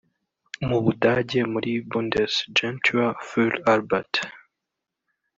mu Budage muri Bundesegenture Fur Albert